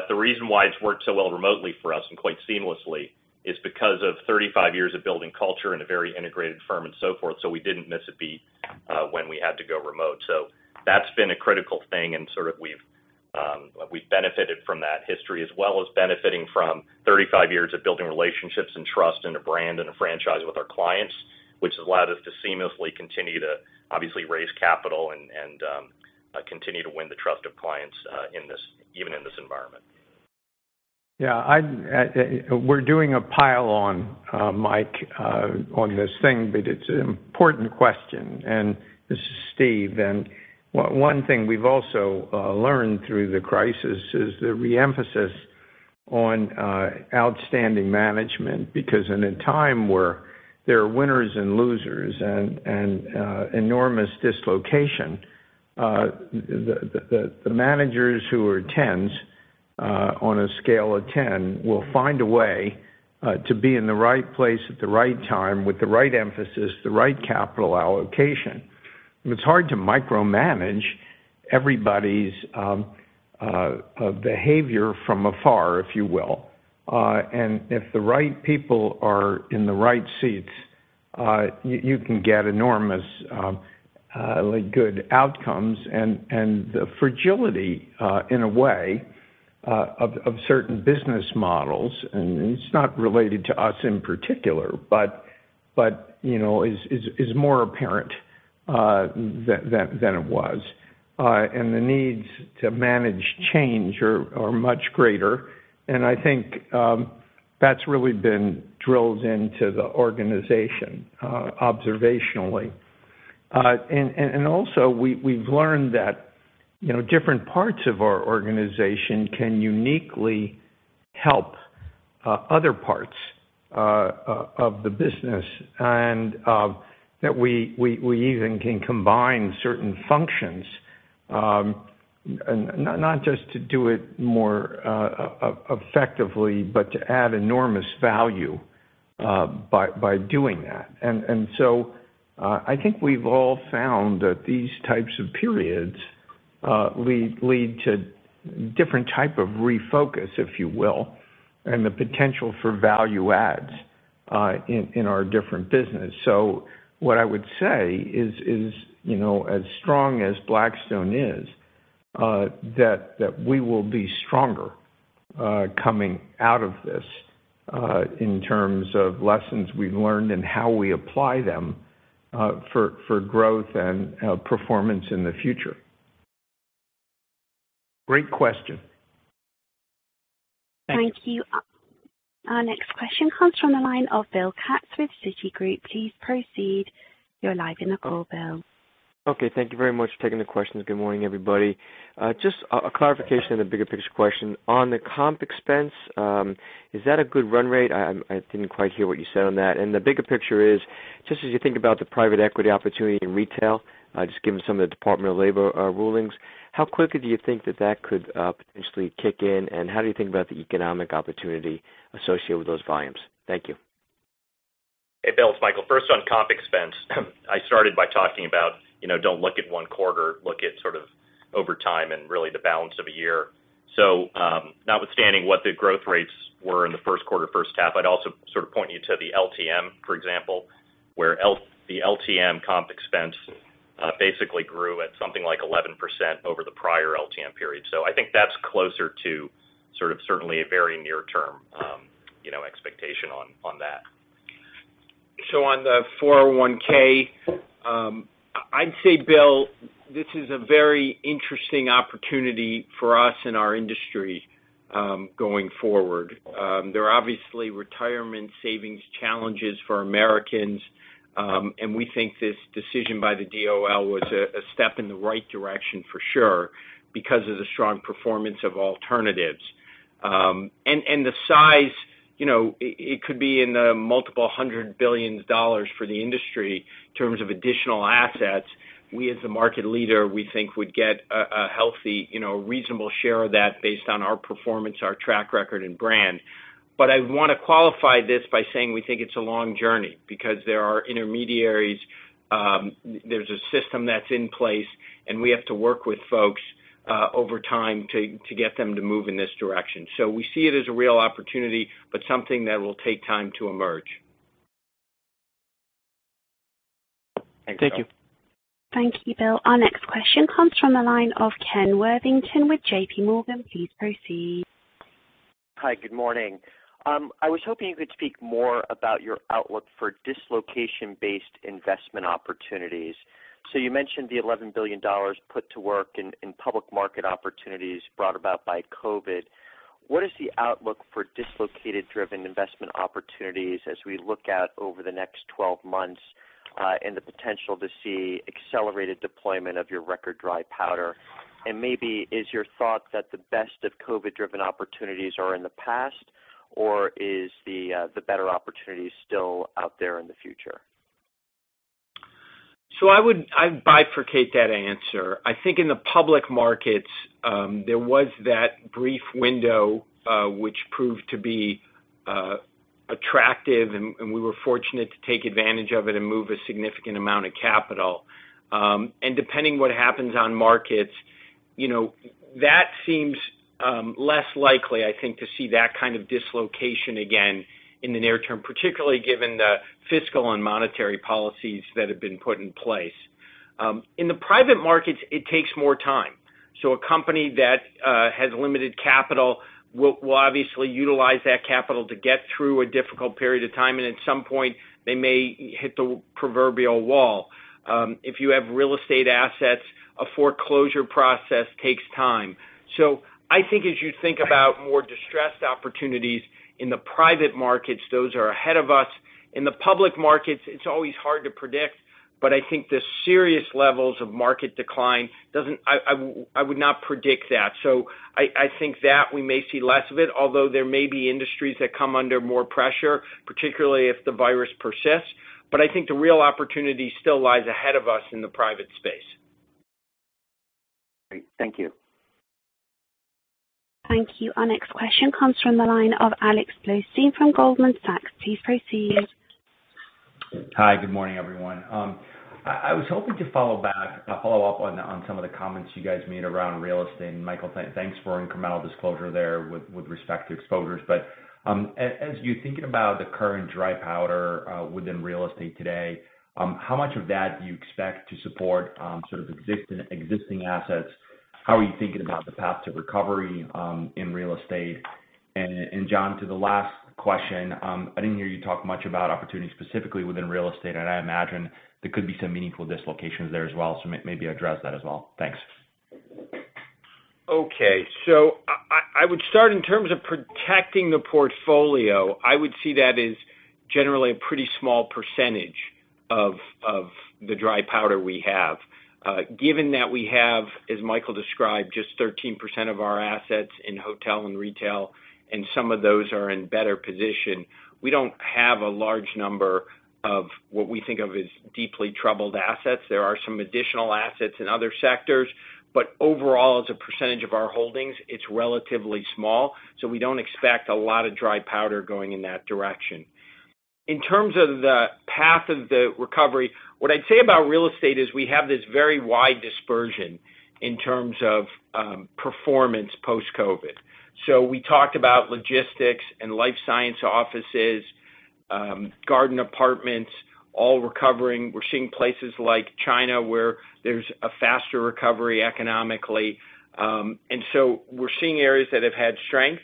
The reason why it's worked so well remotely for us and quite seamlessly is because of 35 years of building culture in a very integrated firm and so forth. We didn't miss a beat when we had to go remote. That's been a critical thing and sort of we've benefited from that history, as well as benefiting from 35 years of building relationships and trust and a brand and a franchise with our clients, which has allowed us to seamlessly continue to obviously raise capital and Continue to win the trust of clients even in this environment. Yeah. We're doing a pile on, Mike, on this thing. It's an important question. This is Steve. One thing we've also learned through the crisis is the re-emphasis on outstanding management because in a time where there are winners and losers and enormous dislocation, the managers who are tens on a scale of 10 will find a way to be in the right place at the right time with the right emphasis, the right capital allocation. It's hard to micromanage everybody's behavior from afar, if you will. If the right people are in the right seats, you can get enormously good outcomes and the fragility, in a way, of certain business models. It's not related to us in particular, but is more apparent than it was. The needs to manage change are much greater. I think that's really been drilled into the organization observationally. Also we've learned that different parts of our organization can uniquely help other parts of the business, and that we even can combine certain functions, not just to do it more effectively but to add enormous value by doing that. I think we've all found that these types of periods lead to different type of refocus, if you will, and the potential for value adds in our different business. What I would say is, as strong as Blackstone is, that we will be stronger coming out of this in terms of lessons we've learned and how we apply them for growth and performance in the future. Great question. Thank you. Thank you. Our next question comes from the line of William Katz with Citigroup. Please proceed. You're live in the call, Bill. Okay, thank you very much for taking the questions. Good morning, everybody. Just a clarification and a bigger picture question. On the comp expense, is that a good run rate? I didn't quite hear what you said on that. The bigger picture is, just as you think about the private equity opportunity in retail, just given some of the Department of Labor rulings, how quickly do you think that could potentially kick in, and how do you think about the economic opportunity associated with those volumes? Thank you. Hey, Bill, it's Michael. First on comp expense. I started by talking about don't look at one quarter, look at sort of over time and really the balance of a year. Notwithstanding what the growth rates were in the first quarter, first half, I'd also sort of point you to the LTM, for example, where the LTM comp expense basically grew at something like 11% over the prior LTM period. I think that's closer to sort of certainly a very near term expectation on that. On the 401(k), I'd say, Bill, this is a very interesting opportunity for us in our industry going forward. There are obviously retirement savings challenges for Americans, and we think this decision by the DOL was a step in the right direction for sure because of the strong performance of alternatives. The size, it could be in the multiple hundred billions dollars for the industry in terms of additional assets. We, as the market leader, we think we'd get a healthy, reasonable share of that based on our performance, our track record, and brand. I want to qualify this by saying we think it's a long journey because there are intermediaries. There's a system that's in place, and we have to work with folks over time to get them to move in this direction. We see it as a real opportunity, but something that will take time to emerge. Thank you. Thank you, Bill. Our next question comes from the line of Kenneth Worthington with JPMorgan. Please proceed. Hi, good morning. I was hoping you could speak more about your outlook for dislocation-based investment opportunities. You mentioned the $11 billion put to work in public market opportunities brought about by COVID. What is the outlook for dislocated driven investment opportunities as we look out over the next 12 months, and the potential to see accelerated deployment of your record dry powder? Maybe is your thought that the best of COVID-driven opportunities are in the past, or is the better opportunities still out there in the future? I would bifurcate that answer. I think in the public markets, there was that brief window, which proved to be attractive, and we were fortunate to take advantage of it and move a significant amount of capital. Depending what happens on markets, that seems less likely, I think, to see that kind of dislocation again in the near term, particularly given the fiscal and monetary policies that have been put in place. In the private markets, it takes more time. A company that has limited capital will obviously utilize that capital to get through a difficult period of time, and at some point they may hit the proverbial wall. If you have real estate assets, a foreclosure process takes time. I think as you think about more distressed opportunities in the private markets, those are ahead of us. In the public markets, it's always hard to predict. I think the serious levels of market decline, I would not predict that. I think that we may see less of it, although there may be industries that come under more pressure, particularly if the virus persists. I think the real opportunity still lies ahead of us in the private space. Great. Thank you. Thank you. Our next question comes from the line of Alexander Blostein from Goldman Sachs. Please proceed. Hi. Good morning, everyone. I was hoping to follow up on some of the comments you guys made around real estate. Michael, thanks for incremental disclosure there with respect to exposures. As you're thinking about the current dry powder within real estate today, how much of that do you expect to support sort of existing assets? How are you thinking about the path to recovery in real estate? Jon, to the last question, I didn't hear you talk much about opportunities specifically within real estate. I imagine there could be some meaningful dislocations there as well, maybe address that as well. Thanks. Okay. I would start in terms of protecting the portfolio. I would see that as generally a pretty small percentage of the dry powder we have. Given that we have, as Michael described, just 13% of our assets in hotel and retail, and some of those are in better position, we don't have a large number of what we think of as deeply troubled assets. There are some additional assets in other sectors, but overall, as a percentage of our holdings, it's relatively small. We don't expect a lot of dry powder going in that direction. In terms of the path of the recovery, what I'd say about real estate is we have this very wide dispersion in terms of performance post-COVID. We talked about logistics and life science offices, garden apartments, all recovering. We're seeing places like China where there's a faster recovery economically. We're seeing areas that have had strength.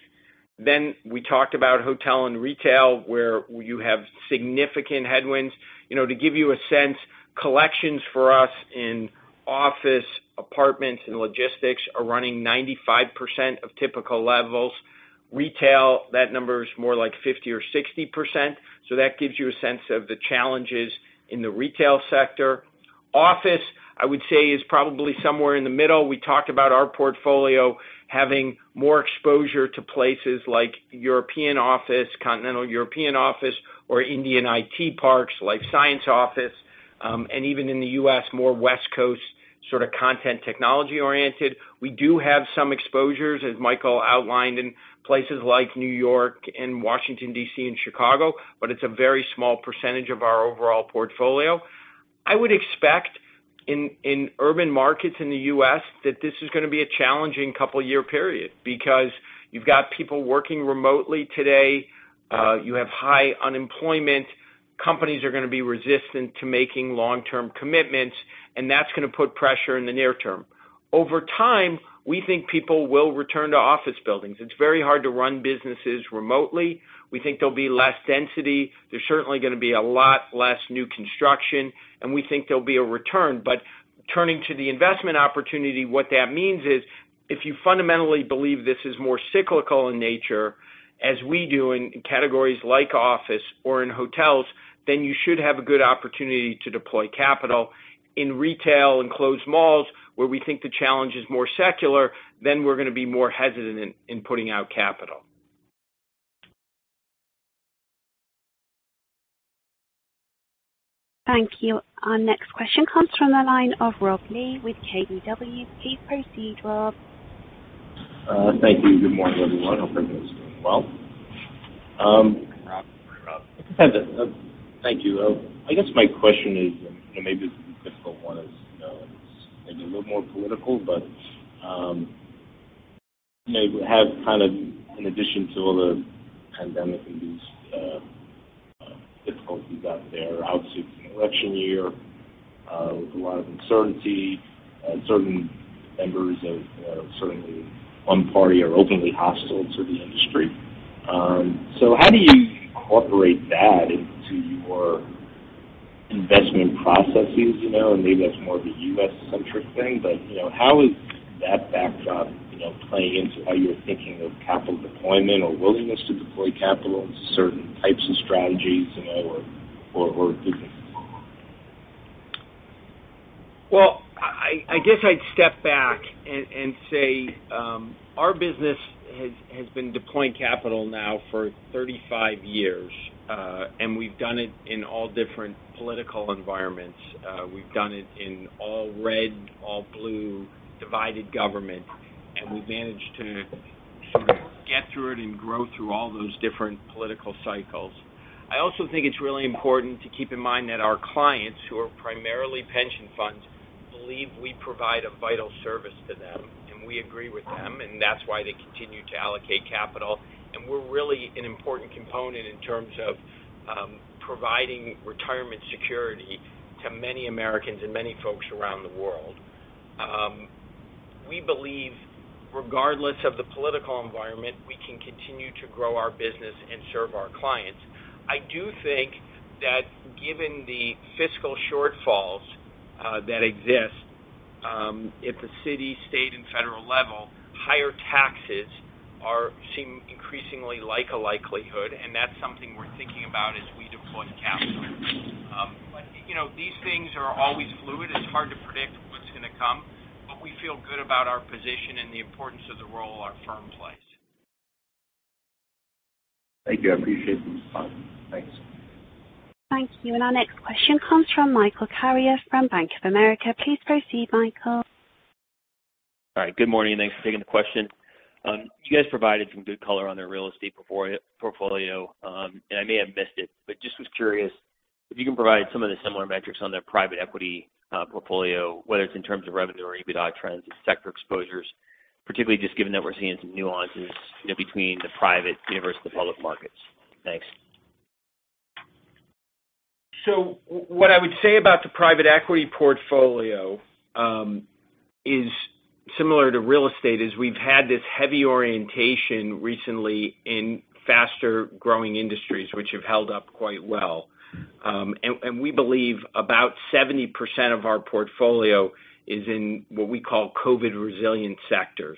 We talked about hotel and retail, where you have significant headwinds. To give you a sense, collections for us in office, apartments, and logistics are running 95% of typical levels. Retail, that number is more like 50% or 60%. That gives you a sense of the challenges in the retail sector. Office, I would say, is probably somewhere in the middle. We talked about our portfolio having more exposure to places like European office, continental European office, or Indian IT parks, life science office, and even in the U.S., more West Coast sort of content technology-oriented. We do have some exposures, as Michael outlined, in places like New York and Washington, D.C. and Chicago, but it's a very small percentage of our overall portfolio. I would expect in urban markets in the U.S. that this is going to be a challenging couple year period because you've got people working remotely today, you have high unemployment. Companies are going to be resistant to making long-term commitments, and that's going to put pressure in the near term. Over time, we think people will return to office buildings. It's very hard to run businesses remotely. We think there'll be less density. There's certainly going to be a lot less new construction, and we think there'll be a return. Turning to the investment opportunity, what that means is if you fundamentally believe this is more cyclical in nature, as we do in categories like office or in hotels, then you should have a good opportunity to deploy capital. In retail and closed malls, where we think the challenge is more secular, then we're going to be more hesitant in putting out capital. Thank you. Our next question comes from the line of Robert Lee with KBW. Please proceed, Rob. Thank you. Good morning, everyone. Hope everyone is doing well. Good morning, Rob. Thank you. I guess my question is, and maybe this is a difficult one as it's maybe a little more political, but we have kind of, in addition to all the pandemic-induced difficulties out there, it's also an election year with a lot of uncertainty, and certain members of certainly one party are openly hostile to the industry. How do you incorporate that into your investment processes? Maybe that's more of a U.S.-centric thing, but how is that backdrop playing into how you're thinking of capital deployment or willingness to deploy capital into certain types of strategies, or do you? Well, I guess I'd step back and say our business has been deploying capital now for 35 years, and we've done it in all different political environments. We've done it in all red, all blue, divided government, and we've managed to sort of get through it and grow through all those different political cycles. I also think it's really important to keep in mind that our clients, who are primarily pension funds, believe we provide a vital service to them, and we agree with them, and that's why they continue to allocate capital. We're really an important component in terms of providing retirement security to many Americans and many folks around the world. We believe regardless of the political environment, we can continue to grow our business and serve our clients. I do think that given the fiscal shortfalls that exist at the city, state, and federal level, higher taxes seem increasingly like a likelihood, and that's something we're thinking about as we deploy capital. These things are always fluid. It's hard to predict what's going to come, but we feel good about our position and the importance of the role our firm plays. Thank you. I appreciate the response. Thanks. Thank you. Our next question comes from Michael Carrier from Bank of America. Please proceed, Michael. All right. Good morning, and thanks for taking the question. You guys provided some good color on the real estate portfolio. I may have missed it, but just was curious if you can provide some of the similar metrics on the private equity portfolio, whether it's in terms of revenue or EBITDA trends and sector exposures, particularly just given that we're seeing some nuances between the private universe and the public markets. Thanks. What I would say about the private equity portfolio is similar to real estate, is we've had this heavy orientation recently in faster-growing industries which have held up quite well. We believe about 70% of our portfolio is in what we call COVID resilient sectors.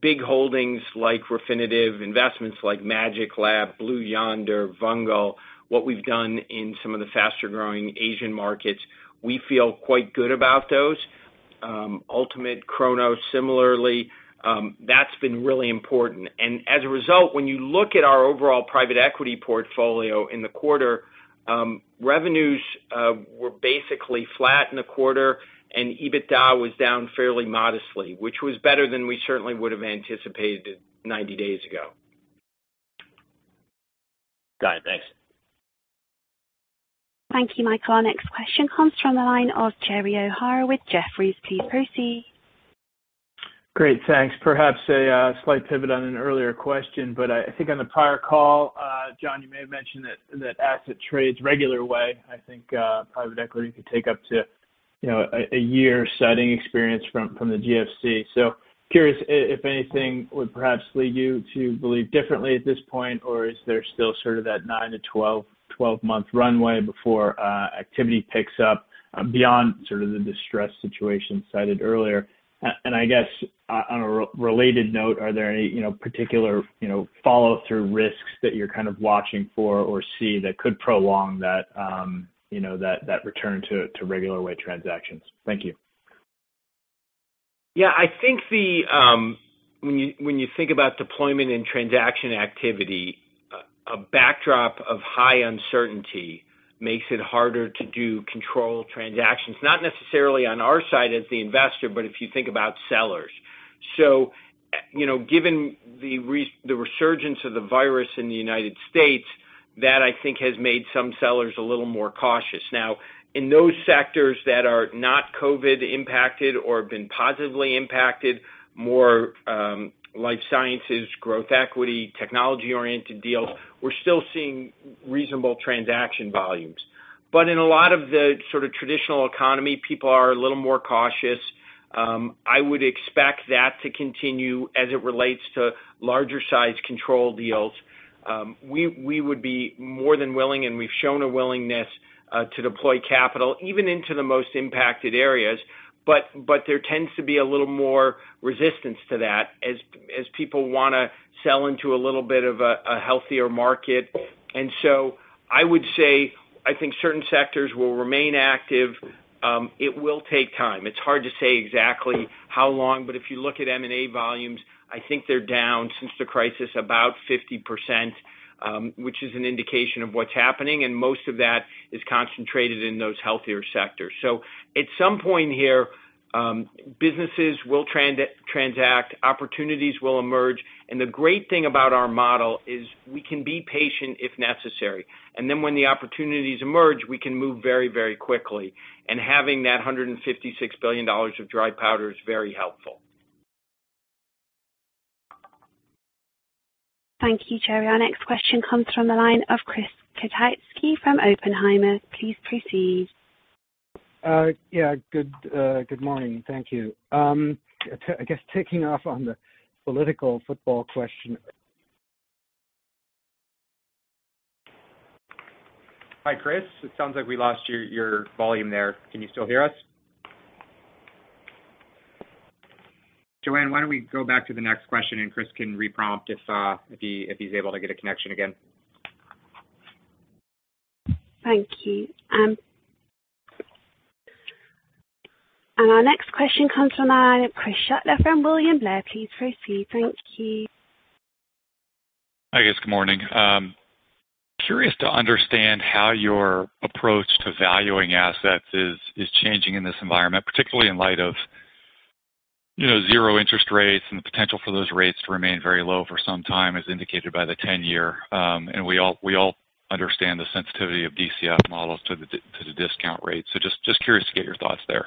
Big holdings like Refinitiv, investments like MagicLab, Blue Yonder, Vungle, what we've done in some of the faster-growing Asian markets, we feel quite good about those. Ultimate Kronos similarly, that's been really important. As a result, when you look at our overall private equity portfolio in the quarter, revenues were basically flat in the quarter, and EBITDA was down fairly modestly, which was better than we certainly would've anticipated 90 days ago. Got it. Thanks. Thank you, Michael. Our next question comes from the line of Gerald O'Hara with Jefferies. Please proceed. Great, thanks. Perhaps a slight pivot on an earlier question. I think on the prior call, Jon, you may have mentioned that asset trades regular way. I think private equity could take up to a year citing experience from the GFC. Curious if anything would perhaps lead you to believe differently at this point, or is there still sort of that nine to 12 month runway before activity picks up beyond sort of the distressed situation cited earlier? I guess on a related note, are there any particular follow-through risks that you're kind of watching for or see that could prolong that return to regular way transactions? Thank you. Yeah, I think when you think about deployment and transaction activity, a backdrop of high uncertainty makes it harder to do controlled transactions, not necessarily on our side as the investor, but if you think about sellers. Given the resurgence of the virus in the U.S., that I think has made some sellers a little more cautious. In those sectors that are not COVID impacted or have been positively impacted, more life sciences, growth equity, technology-oriented deals, we're still seeing reasonable transaction volumes. In a lot of the sort of traditional economy, people are a little more cautious. I would expect that to continue as it relates to larger size controlled deals. We would be more than willing, and we've shown a willingness to deploy capital even into the most impacted areas. There tends to be a little more resistance to that as people want to sell into a little bit of a healthier market. I would say I think certain sectors will remain active. It will take time. It's hard to say exactly how long, but if you look at M&A volumes, I think they're down since the crisis about 50%, which is an indication of what's happening, and most of that is concentrated in those healthier sectors. At some point here, businesses will transact, opportunities will emerge, and the great thing about our model is we can be patient if necessary. When the opportunities emerge, we can move very quickly, and having that $156 billion of dry powder is very helpful. Thank you, Jerry. Our next question comes from the line of Chris Kotowski from Oppenheimer. Please proceed. Yeah. Good morning. Thank you. I guess ticking off on the political football question- Hi, Chris. It sounds like we lost your volume there. Can you still hear us? Joanne, why don't we go back to the next question, and Chris can re-prompt if he's able to get a connection again. Thank you. Our next question comes from the line of Chris Shutler from William Blair. Please proceed. Thank you. Hi, guys. Good morning. Curious to understand how your approach to valuing assets is changing in this environment, particularly in light of zero interest rates and the potential for those rates to remain very low for some time as indicated by the 10-year. We all understand the sensitivity of DCF models to the discount rate. Just curious to get your thoughts there.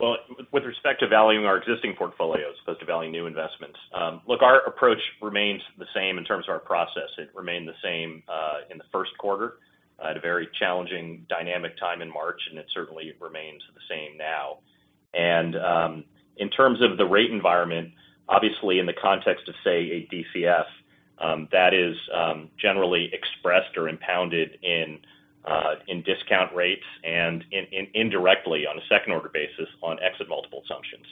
Well, with respect to valuing our existing portfolios as opposed to valuing new investments. Look, our approach remains the same in terms of our process. It remained the same in the first quarter at a very challenging dynamic time in March, and it certainly remains the same now. In terms of the rate environment, obviously in the context of, say, a DCF, that is generally expressed or impounded in discount rates and indirectly on a second-order basis on exit multiple assumptions,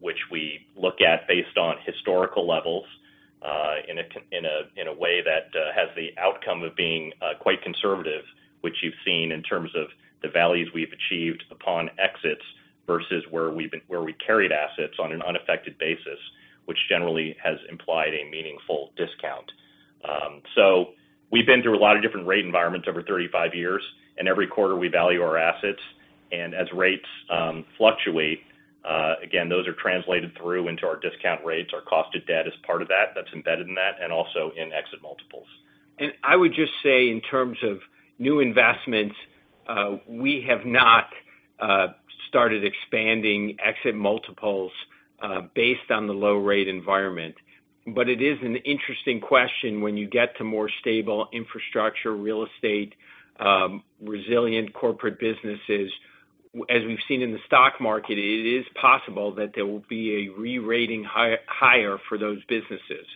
which we look at based on historical levels in a way that has the outcome of being quite conservative, which you've seen in terms of the values we've achieved upon exits versus where we carried assets on an unaffected basis, which generally has implied a meaningful discount. We've been through a lot of different rate environments over 35 years, and every quarter we value our assets. As rates fluctuate, again, those are translated through into our discount rates. Our cost of debt is part of that's embedded in that, and also in exit multiples. I would just say in terms of new investments, we have not started expanding exit multiples based on the low rate environment. It is an interesting question when you get to more stable infrastructure, real estate, resilient corporate businesses. As we've seen in the stock market, it is possible that there will be a re-rating higher for those businesses.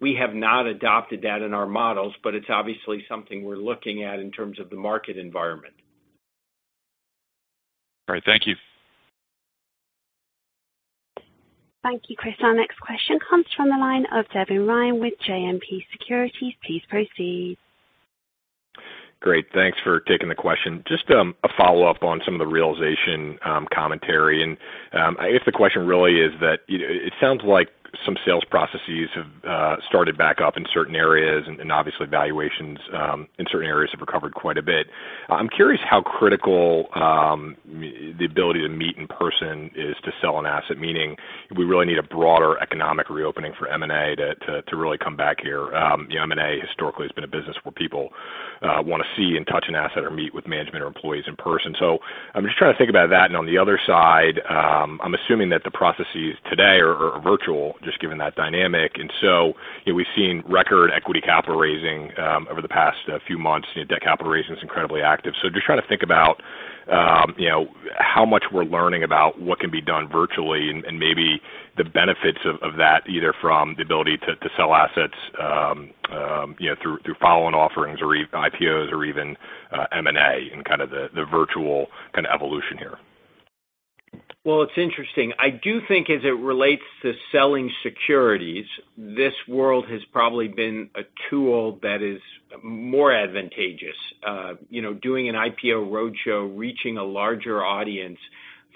We have not adopted that in our models, but it's obviously something we're looking at in terms of the market environment. All right. Thank you. Thank you, Chris. Our next question comes from the line of Devin Ryan with JMP Securities. Please proceed. Great. Thanks for taking the question. Just a follow-up on some of the realization commentary. I guess the question really is that it sounds like some sales processes have started back up in certain areas, obviously valuations in certain areas have recovered quite a bit. I'm curious how critical the ability to meet in person is to sell an asset, meaning we really need a broader economic reopening for M&A to really come back here. M&A historically has been a business where people want to see and touch an asset or meet with management or employees in person. I'm just trying to think about that. On the other side, I'm assuming that the processes today are virtual, just given that dynamic. We've seen record equity capital raising over the past few months. Debt capital raising is incredibly active. Just trying to think about how much we're learning about what can be done virtually, and maybe the benefits of that, either from the ability to sell assets through follow-on offerings or IPOs or even M&A and kind of the virtual kind of evolution here. Well, it's interesting. I do think as it relates to selling securities, this world has probably been a tool that is more advantageous. Doing an IPO roadshow, reaching a larger audience.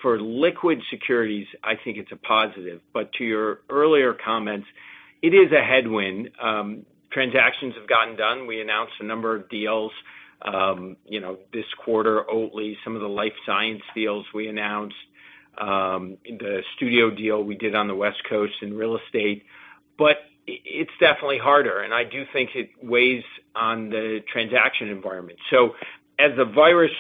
For liquid securities, I think it's a positive. To your earlier comments, it is a headwind. Transactions have gotten done. We announced a number of deals this quarter, Oatly, some of the life science deals we announced, the studio deal we did on the West Coast in real estate. It's definitely harder, and I do think it weighs on the transaction environment. As the virus,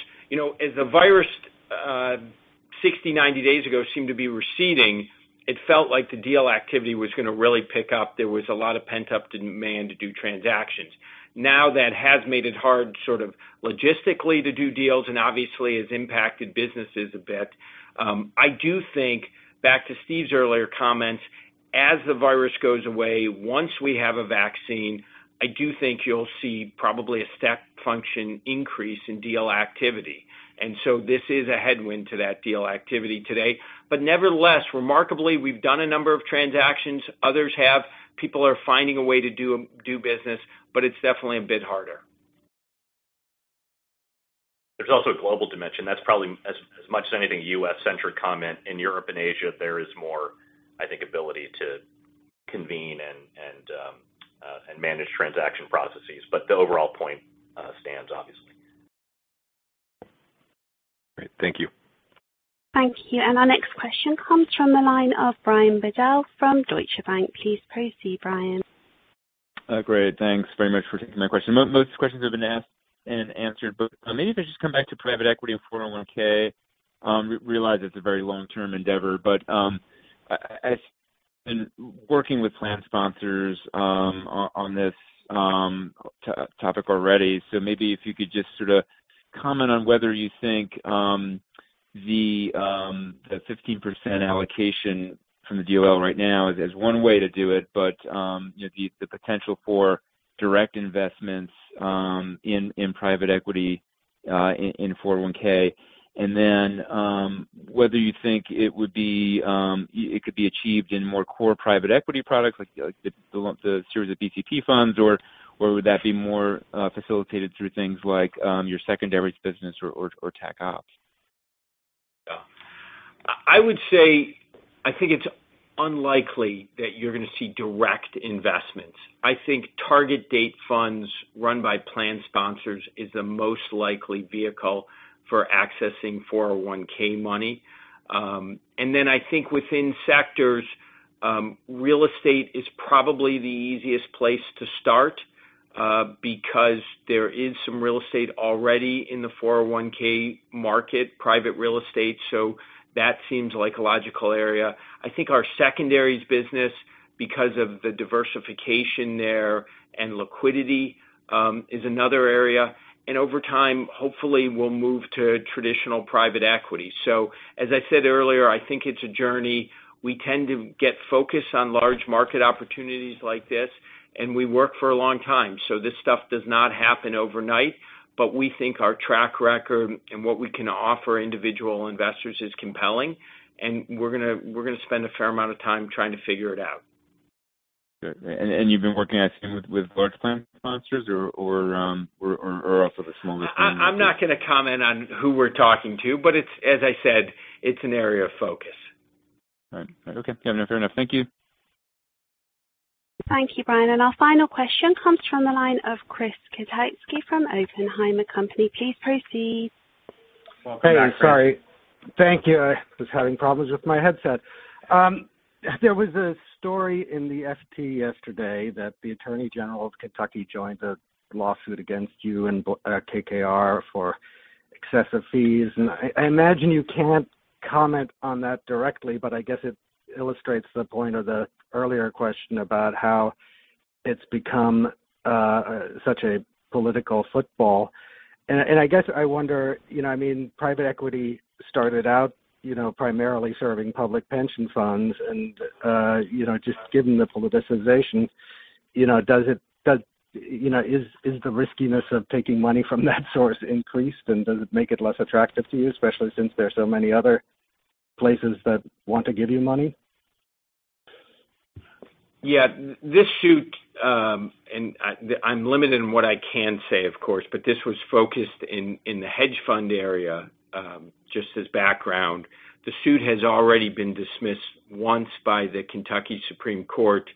60, 90 days ago seemed to be receding, it felt like the deal activity was going to really pick up. There was a lot of pent-up demand to do transactions. Now that has made it hard sort of logistically to do deals and obviously has impacted businesses a bit. I do think, back to Steve's earlier comments, as the virus goes away, once we have a vaccine, I do think you'll see probably a step function increase in deal activity. This is a headwind to that deal activity today. Nevertheless, remarkably, we've done a number of transactions. Others have. People are finding a way to do business, but it's definitely a bit harder. There's also a global dimension that's probably, as much as anything, U.S.-centric comment. In Europe and Asia, there is more, I think, ability to convene and manage transaction processes. The overall point stands, obviously. Great. Thank you. Thank you. Our next question comes from the line of Brian Bedell from Deutsche Bank. Please proceed, Brian. Great. Thanks very much for taking my question. Most questions have been asked and answered. Maybe if I just come back to private equity and 401(k). I realize it's a very long-term endeavor, but I've been working with plan sponsors on this topic already. Maybe if you could just sort of comment on whether you think the 15% allocation from the DOL right now is one way to do it, but the potential for direct investments in private equity in 401(k). Whether you think it could be achieved in more core private equity products like the series of BCP funds, or would that be more facilitated through things like your secondaries business or Tac Opps? I would say, I think it's unlikely that you're going to see direct investments. I think target date funds run by plan sponsors is the most likely vehicle for accessing 401 money. Then I think within sectors, real estate is probably the easiest place to start. Because there is some real estate already in the 401 market, private real estate, that seems like a logical area. I think our secondaries business, because of the diversification there and liquidity, is another area. Over time, hopefully, we'll move to traditional private equity. As I said earlier, I think it's a journey. We tend to get focused on large market opportunities like this, and we work for a long time. This stuff does not happen overnight, but we think our track record and what we can offer individual investors is compelling, and we're going to spend a fair amount of time trying to figure it out. Good. You've been working, I assume, with large plan sponsors or also the smaller plans? I'm not going to comment on who we're talking to, but as I said, it's an area of focus. All right. Okay. Fair enough. Thank you. Thank you, Brian. Our final question comes from the line of Chris Kotowski from Oppenheimer & Co. Inc. Please proceed. Welcome back, Chris. Hey, sorry. Thank you. I was having problems with my headset. There was a story in "Financial Times" yesterday that the Attorney General of Kentucky joined a lawsuit against you and KKR for excessive fees. I imagine you can't comment on that directly, but I guess it illustrates the point of the earlier question about how it's become such a political football. I guess I wonder, private equity started out primarily serving public pension funds and, just given the politicization, is the riskiness of taking money from that source increased, and does it make it less attractive to you, especially since there are so many other places that want to give you money? Yeah. This suit, and I'm limited in what I can say, of course, but this was focused in the hedge fund area, just as background. The suit has already been dismissed once by the Kentucky Supreme Court.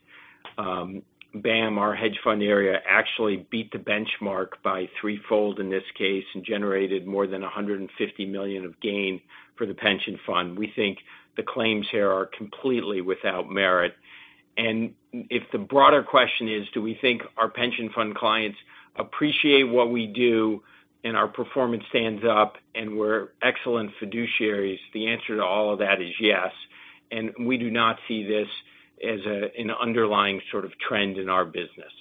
BAAM, our hedge fund area, actually beat the benchmark by threefold in this case and generated more than $150 million of gain for the pension fund. We think the claims here are completely without merit. If the broader question is, do we think our pension fund clients appreciate what we do and our performance stands up and we're excellent fiduciaries, the answer to all of that is yes. We do not see this as an underlying sort of trend in our business.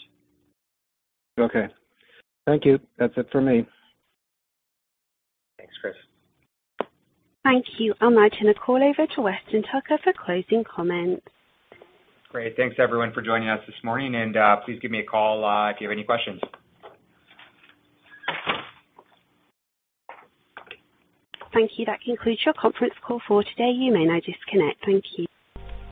Okay. Thank you. That's it for me. Thanks, Chris. Thank you. I'll now turn the call over to Weston Tucker for closing comments. Great. Thanks everyone for joining us this morning, and please give me a call if you have any questions. Thank you. That concludes your conference call for today. You may now disconnect. Thank you.